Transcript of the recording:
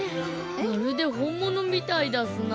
まるでほんものみたいだすな。